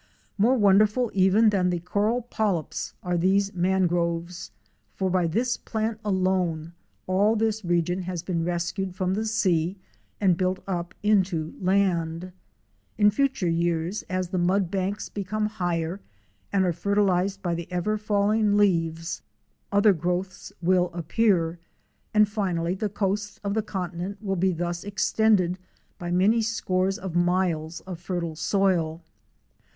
More wonderful even than the coral polyps are these man groves, for by this plant alone all this region has been rescued from the sea and built up into land. In future years, as the mud banks become higher and are fertilized by the ever falling leaves, other growths will appear, and finally the coast of the continent will be thus extended by many scores of miles of fertile soil.